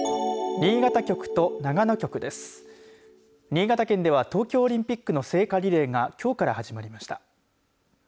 新潟県では東京オリンピックの聖火リレーがきょうから始まりました。